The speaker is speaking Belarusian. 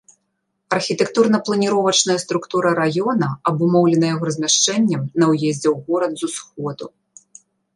Архітэктурна-планіровачная структура раёна абумоўлена яго размяшчэннем на ўездзе ў горад з усходу.